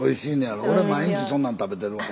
俺毎日そんなん食べてるわ。